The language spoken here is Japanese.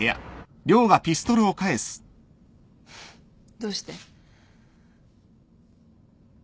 どうして？